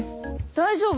大丈夫。